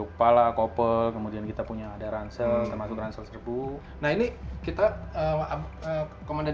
kepala koper kemudian kita punya ada ransel termasuk ransel serbu nah ini kita komandan